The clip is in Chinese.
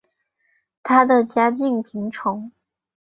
她的家境贫穷。